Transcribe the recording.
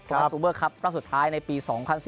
ขอบคุณครับรอบสุดท้ายในปี๒๐๑๘